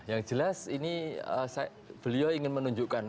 yang jelas ini beliau ingin menunjukkan